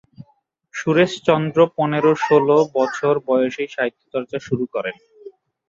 সুরেশচন্দ্র পনেরো-ষোল বছর বয়সেই সাহিত্যচর্চা শুরু করেন।